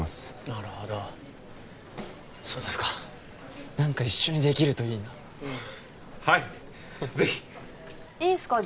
なるほどそうですか何か一緒にできるといいなうんはいぜひいいんすか？